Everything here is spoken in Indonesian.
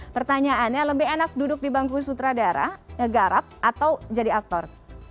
pertanyaannya lebih enak duduk di bangku sutradara ngegarap atau jadi aktor